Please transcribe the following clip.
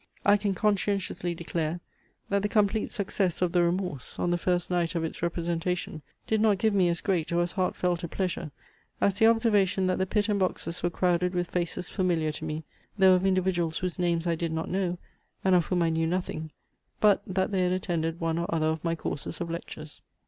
I can conscientiously declare, that the complete success of the REMORSE on the first night of its representation did not give me as great or as heart felt a pleasure, as the observation that the pit and boxes were crowded with faces familiar to me, though of individuals whose names I did not know, and of whom I knew nothing, but that they had attended one or other of my courses of lectures.